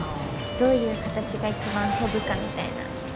どういう形が一番飛ぶかみたいな。